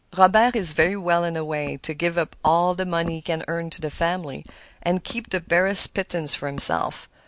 Robert is very well in a way, to give up all the money he can earn to the family, and keep the barest pittance for himself.